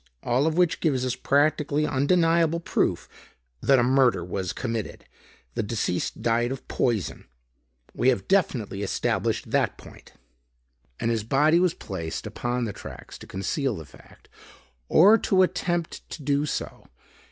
All of which gives us practically undeniable proof that a murder was committed. The deceased died of poison. We have definitely established that point. And his body was placed upon the tracks to conceal the fact; or to attempt to do so.